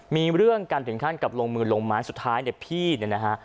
มีเรื่องกันถึงขั้นกับลงมือลงไม้สุดท้ายเนี่ยพี่เนี่ยนะฮะ